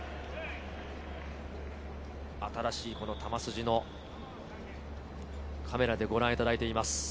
新しい球筋をカメラでご覧いただいています。